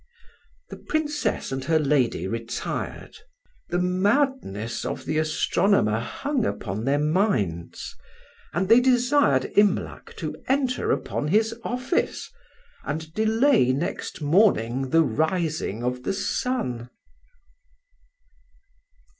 The Princess and her lady retired; the madness of the astronomer hung upon their minds; and they desired Imlac to enter upon his office, and delay next morning the rising of the sun.